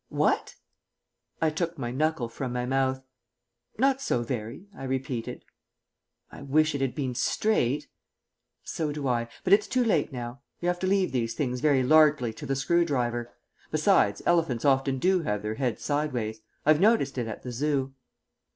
"What?" I took my knuckle from my mouth. "Not so very," I repeated. "I wish it had been straight." "So do I; but it's too late now. You have to leave these things very largely to the screw driver. Besides, elephants often do have their heads sideways; I've noticed it at the Zoo."